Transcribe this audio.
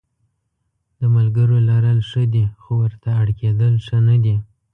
د ملګرو لرل ښه دي خو ورته اړ کېدل ښه نه دي.